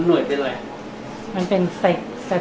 สวัสดีครับ